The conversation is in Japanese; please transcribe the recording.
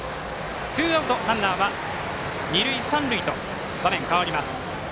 ツーアウトランナーは二塁三塁と場面、変わります。